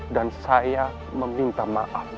dan saya meminta maaf